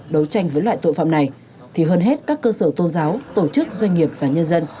đấu tranh với loại tội phạm này thì hơn hết các cơ sở tôn giáo tổ chức doanh nghiệp và nhân dân